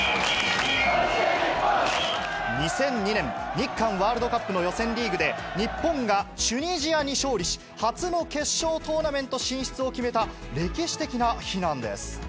２００２年、日韓ワールドカップの予選リーグで、日本がチュニジアに勝利し、初の決勝トーナメント進出を決めた、歴史的な日なんです。